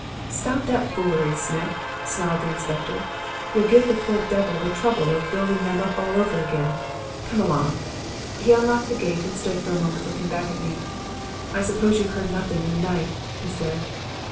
"'Stop that foolery, Smith,' snarled the inspector; 'you'll give the poor devil the trouble of building them up all over again. Come along.' He unlocked the gate and stood for a moment looking back at me. "'I suppose you've heard nothing in the night?' he said.